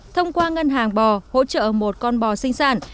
thông qua ngân hàng bò hỗ trợ một con bò sinh sản